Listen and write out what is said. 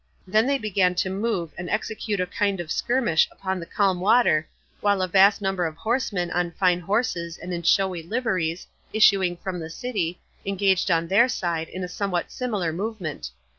Then they began to move and execute a kind of skirmish upon the calm water, while a vast number of horsemen on fine horses and in showy liveries, issuing from the city, engaged on their side in a somewhat similar movement.